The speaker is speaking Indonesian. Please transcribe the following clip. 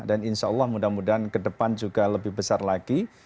dan insya allah mudah mudahan kedepan juga lebih besar lagi